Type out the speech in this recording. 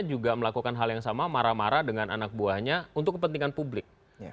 juga melakukan hal yang sama marah marah dengan anak buahnya untuk kepentingan publik